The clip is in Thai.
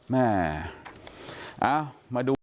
แม่เอ้ามาดู